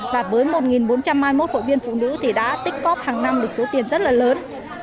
và với một bốn trăm hai mươi một hội viên phụ nữ thì đã tích cóp hàng năm được số tiền rất là lớn